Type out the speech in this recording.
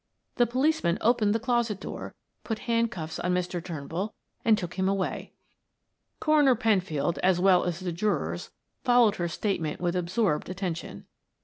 The policeman opened the closet door, put handcuffs on Mr. Turnbull and took him away." Coroner Penfield, as well as the jurors, followed her statement with absorbed attention.